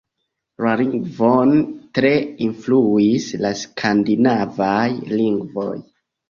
La lingvon tre influis la skandinavaj lingvoj.